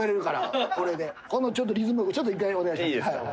このリズムちょっと１回お願いします。